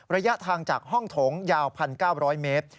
ระยะทางจากห้องโถงยาว๑๙๐๐เมตร